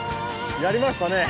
やりましたね！